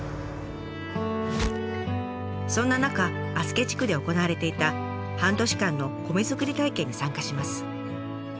そんな中足助地区で行われていた半年間の米作り体験に参加します。